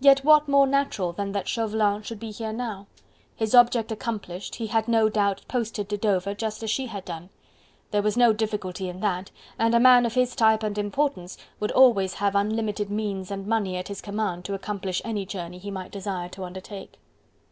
Yet what more natural than that Chauvelin should be here now? His object accomplished, he had no doubt posted to Dover, just as she had done. There was no difficulty in that, and a man of his type and importance would always have unlimited means and money at his command to accomplish any journey he might desire to undertake.